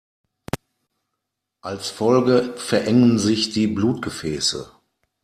Als Folge verengen sich die Blutgefäße.